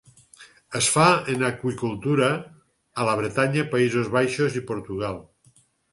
Es fa en aqüicultura a la Bretanya, Països Baixos i Portugal.